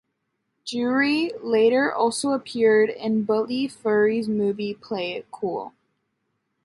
Jewry later also appeared in Billy Fury's movie Play It Cool.